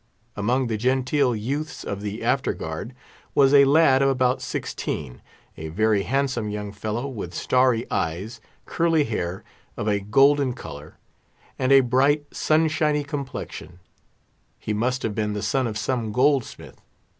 Among the genteel youths of the after guard was a lad of about sixteen, a very handsome young fellow, with starry eyes, curly hair of a golden colour, and a bright, sunshiny complexion: he must have been the son of some goldsmith.